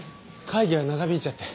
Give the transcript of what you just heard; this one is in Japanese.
会議が長引いちゃって。